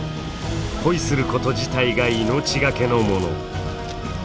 恋すること自体が命がけのもの。